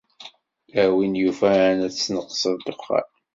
A win yufan ad tesneqseḍ ddexxan.